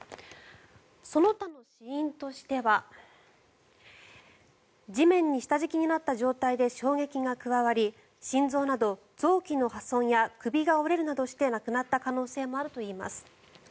その他の死因としては地面に下敷きになった状態で衝撃が加わり心臓など臓器の破損や首が折れるなどして亡くなった可能性もあるといいます。